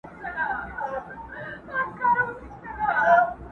سمدستي د خپل کهاله پر لور روان سو.!